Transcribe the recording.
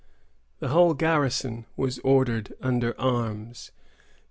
The whole garrison was ordered under arms.